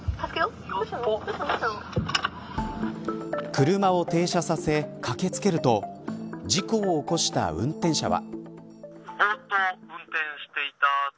車を停車させ、駆け付けると事故を起こした運転者は。